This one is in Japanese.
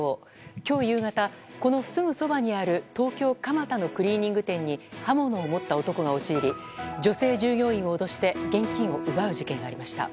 今日夕方、このすぐそばにある東京・蒲田のクリーニング店に刃物を持った男が押し入り女性従業員を脅して現金を奪う事件がありました。